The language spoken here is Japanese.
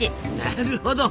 なるほど。